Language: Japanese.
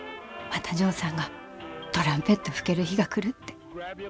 またジョーさんがトランペット吹ける日が来るって。